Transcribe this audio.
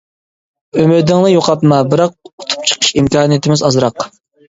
ئۈمىدىڭنى يوقاتما، بىراق ئۇتۇپ چىقىش ئىمكانىيىتىمىز ئازراق.